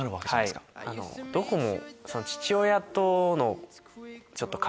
どこも。